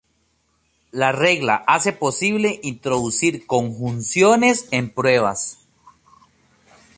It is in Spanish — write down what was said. La regla hace posible introducir conjunciones en pruebas.